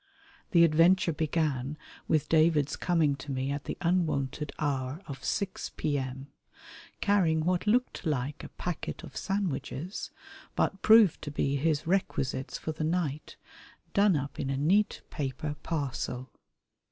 The adventure began with David's coming to me at the unwonted hour of six P.M., carrying what looked like a packet of sandwiches, but proved to be his requisites for the night done up in a neat paper parcel.